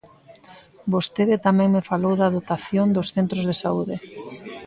Vostede tamén me falou da dotación dos centros de saúde.